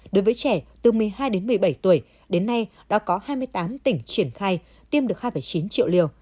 đối với trẻ từ một mươi hai đến một mươi bảy tuổi đến nay đã có hai mươi tám tỉnh triển khai tiêm được hai chín triệu liều